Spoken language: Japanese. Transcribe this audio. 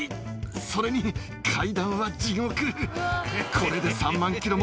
それに階段は地獄。